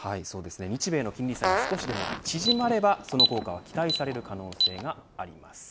日米の金利差が少しでも縮まればその効果は期待される可能性があります。